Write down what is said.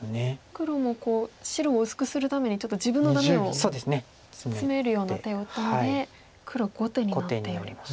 黒も白を薄くするためにちょっと自分のダメをツメるような手を打ったので黒５手になっております。